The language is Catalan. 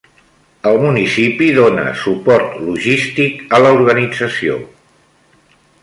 El municipi dona suport logístic a l'organització.